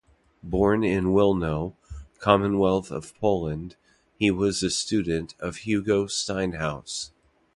Born in Wilno, Commonwealth of Poland, he was a student of Hugo Steinhaus.